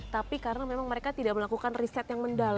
tapi karena memang mereka tidak melakukan riset yang mendalam